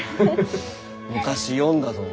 昔読んだぞ。